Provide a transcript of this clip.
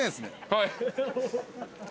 はい。